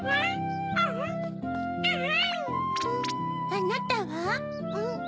あなたは？